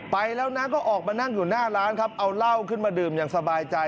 ไปแล้วนะก็ออกมานั่งอยู่หน้าร้านครับเอาเหล้าขึ้นมาดื่มอย่างสบายใจ